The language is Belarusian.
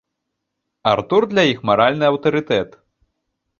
Артур для іх маральны аўтарытэт.